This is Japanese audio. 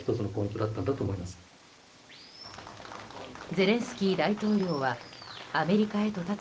ゼレンスキー大統領はアメリカへと発つ